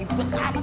ini buat apa